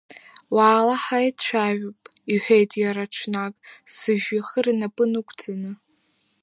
Уаала, ҳаицәажәап, — иҳәеит иара ҽнак, сыжәҩахыр инапы нықәҵаны.